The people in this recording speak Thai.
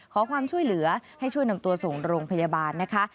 ขอความช่วยเหลือให้ช่วยนำตัวส่งโรงพยาบาลนะคะ